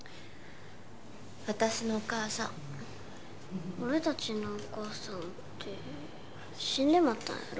私のお母さん俺達のお母さんって死んでまったんやろ？